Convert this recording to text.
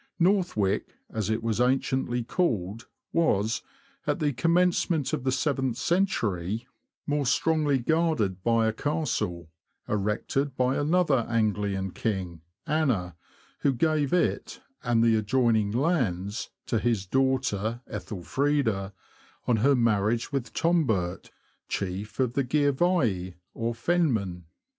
Northwic, as it was anciently called, was, at the commencement of the seventh century, more strongly guarded by a Castle, erected by A RAMBLE THROUGH NORWICH. 71 another Anglian king — Anna — who gave it, and the adjoining lands, to his daughter Ethelfreda, on her marriage with Tombert, chief of the Gyrvii, or Fen men.